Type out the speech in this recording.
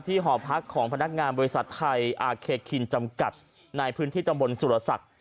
หอพักของพนักงานบริษัทไทยอาเคคินจำกัดในพื้นที่ตำบลสุรศักดิ์